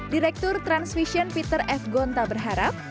direktur transvision peter f gonta berharap